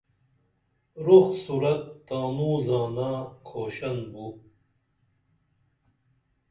روخ صورت تانوں زانہ کھوشن بو